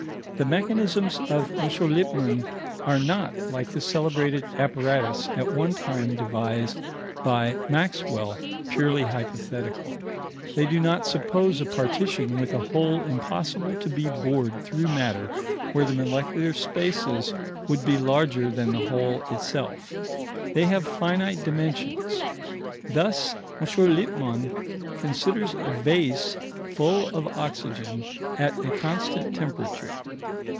The mechanisms of M. Lippmann are not, like the celebrated apparatus at one time devised by Maxwell, purely hypothetical. They do not suppose a partition with a hole impossible to be bored through matter where the molecular spaces would be larger than the hole itself. They have finite dimensions. Thus M. Lippmann considers a vase full of oxygen at a constant temperature.